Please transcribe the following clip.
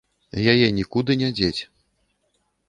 Яе нікуды не дзець.